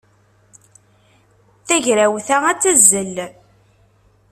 Tagrawt-a ad tazzel.